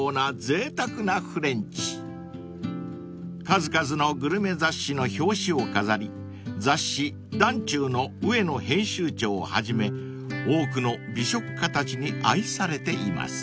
［数々のグルメ雑誌の表紙を飾り雑誌『ｄａｎｃｙｕ』の植野編集長をはじめ多くの美食家たちに愛されています］